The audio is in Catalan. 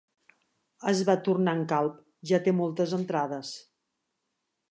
Es va tornant calb: ja té moltes entrades.